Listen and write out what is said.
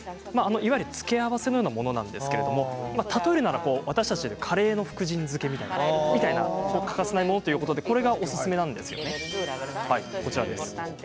いわゆる付け合わせのようなものなんですが例えるなら私たちでいうカレーの福神漬けみたいな欠かせないものということでこれが、おすすめなんですよね。